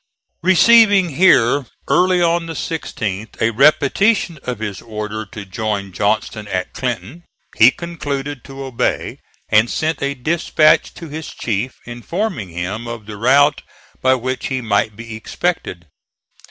Receiving here early on the 16th a repetition of his order to join Johnston at Clinton, he concluded to obey, and sent a dispatch to his chief, informing him of the route by which he might be expected.